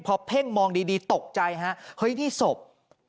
เพ่งพอเพ่งมองดีตกใจฮะนี่ศพไม่ใช่